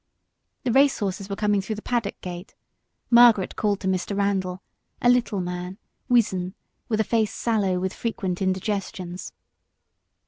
The race horses were coming through the paddock gate; Margaret called to Mr. Randal, a little man, wizen, with a face sallow with frequent indigestions.